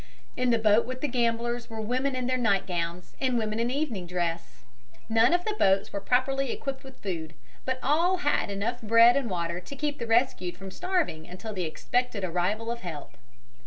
In the boat with the gamblers were women in their night gowns and women in evening dress. None of the boats were properly equipped with food, but all had enough bread and water to keep the rescued from starving until the expected arrival of help.